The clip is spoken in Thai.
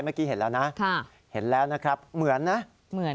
เมื่อกี้เห็นแล้วนะเห็นแล้วนะครับเหมือนนะเหมือน